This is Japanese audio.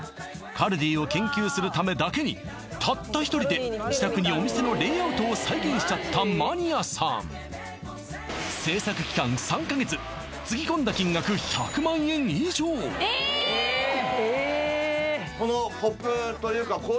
カルディを研究するためだけにたった一人で自宅にお店のレイアウトを再現しちゃったマニアさんつぎ込んだ金額えっそうなんです